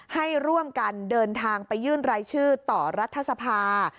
ให้ร่วมกันเดินทางไปยื่นรายชื่อต่อรัฐสภา